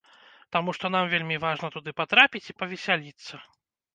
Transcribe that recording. Таму што нам вельмі важна туды патрапіць і павесяліцца.